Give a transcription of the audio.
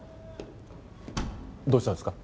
どうしたんですか？